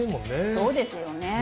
そうですよね。